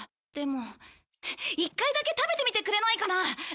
でも１回だけ食べてみてくれないかな。